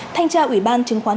thanh tra ủy ban chứng khoán